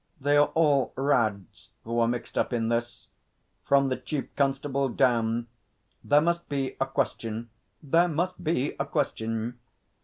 They are all Rads who are mixed up in this from the Chief Constable down. There must be a Question. There must be a Question.'